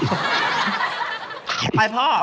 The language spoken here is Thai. การตอบคำถามแบบไม่ตรงคำถามนะครับ